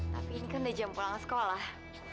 tapi ini kan udah jam pulang sekolah